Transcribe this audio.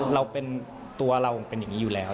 เราเป็นตัวเราเป็นอย่างนี้อยู่แล้ว